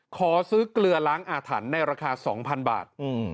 ขอซื้อเกลือล้างอาถรรพ์ในราคา๒๐๐๐บาท